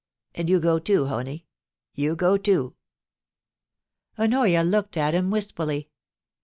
And you go too, Honie ; you go too.' Honoria looked at him wistfully.